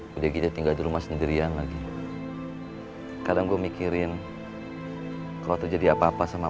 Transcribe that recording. hai udah gitu tinggal di rumah sendirian lagi kalau gue mikirin kalau terjadi apa apa sama